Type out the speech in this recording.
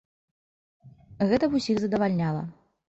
Гэта б усіх задавальняла.